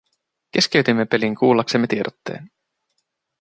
Keskeytimme pelin kuullaksemme tiedotteen.